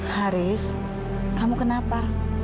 haris kamu kenapa